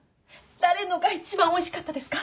誰のが一番おいしかったですか？